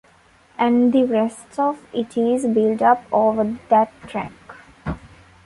And the rest of it is built up over that track.